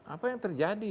apa yang terjadi